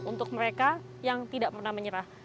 untuk mereka yang tidak pernah menyerah